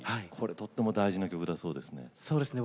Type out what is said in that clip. とても大事な曲だそうですね。